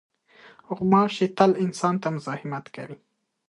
غوماشې تل انسان ته مزاحمت کوي.